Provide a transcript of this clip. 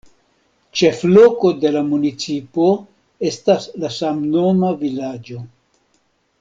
Ĉefloko de la municipo estas la samnoma vilaĝo.